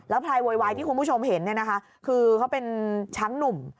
แล้วพลายโวยวายที่คุณผู้ชมเห็นคือเขาเป็นช้างหนุ่ม